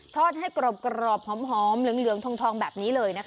ทอดให้กรอบหอมเหลืองทองแบบนี้เลยนะคะ